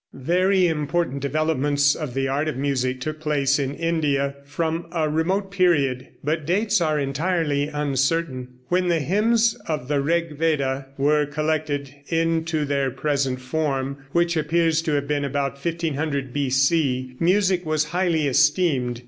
Very important developments of the art of music took place in India from a remote period, but dates are entirely uncertain. When the hymns of the Rig Veda were collected into their present form, which appears to have been about 1500 B.C., music was highly esteemed.